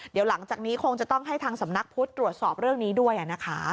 เดี๋ยวหลังจากนี้คงจะต้องให้ทางสำนักพุทธตรวจสอบเรื่องนี้ด้วยนะคะ